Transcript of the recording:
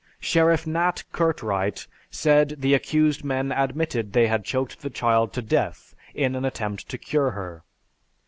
Sheriff Nat Curtright said the accused men admitted they had choked the child to death in an attempt to cure her.